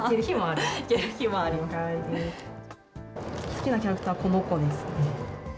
好きなキャラクター、この子ですね。